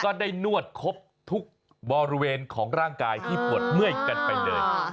ได้นวดครบทุกบริเวณของร่างกายที่ปวดเมื่อยกันไปเลย